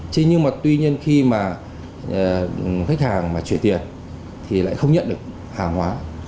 thế nhưng mà tuy nhiên khi mà khách hàng mà chuyển tiền thì lại không nhận được hàng hóa